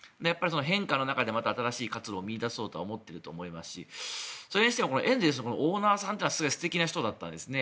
変化の中で、また新しい活路を見いだそうと思っていると思いますしそれにしてもエンゼルスのオーナーさんというのは素敵な人だったんですね。